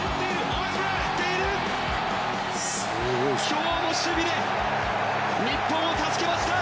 今日も守備で日本を助けました。